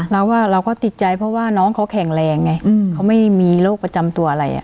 เราก็ติดใจเพราะว่าน้องเขาแข็งแรงไงเขาไม่มีโรคประจำตัวอะไร